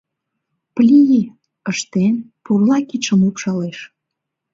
«Пли-и-и!..» ыштен, пурла кидшым лупшалеш.